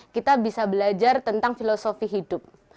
kita bisa belajar tentang filosofi hidup